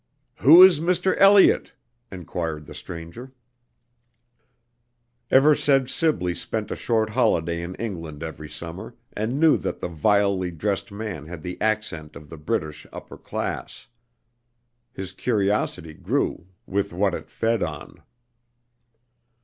"Who is Mr. Elliot?" enquired the stranger. Eversedge Sibley spent a short holiday in England every summer, and knew that the vilely dressed man had the accent of the British upper classes. His curiosity grew with what it fed on.